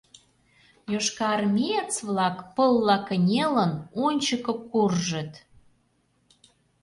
Йошкарармеец-влак, пылла кынелын, ончыко куржыт.